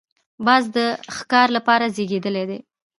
باز د ښکار لپاره زېږېدلی دی